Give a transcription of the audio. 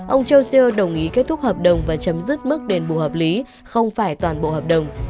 ông joeer đồng ý kết thúc hợp đồng và chấm dứt mức đền bù hợp lý không phải toàn bộ hợp đồng